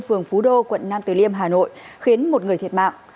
phường phú đô quận nam từ liêm hà nội khiến một người thiệt mạng